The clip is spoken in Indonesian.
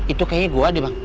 itu kayaknya gua dik bang